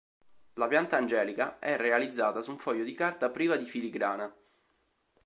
La pianta Angelica è realizzata su un foglio di carta priva di filigrana.